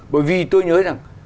bởi vì tôi nhớ rằng